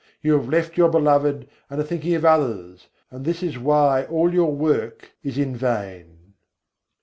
You have left Your Beloved and are thinking of others: and this is why all your work is in vain.